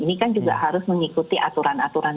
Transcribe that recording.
ini kan juga harus mengikuti aturan aturan